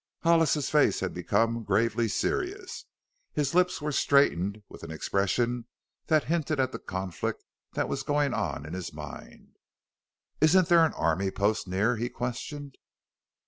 Hollis's face had become gravely serious; his lips were straightened with an expression that hinted at the conflict that was going on in his mind. "Isn't there an army post near?" he questioned.